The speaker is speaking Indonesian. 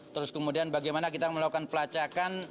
terus kemudian bagaimana kita melakukan pelacakan